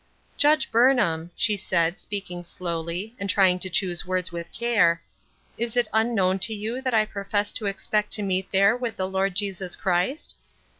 " Judge Burnham," she said, speaking slowly, and trying to choose the words with care, "is it unknown to you that I profess to expect to meet there with the Lord Jesus Christ